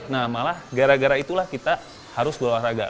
nah malah gara gara itulah kita harus berolahraga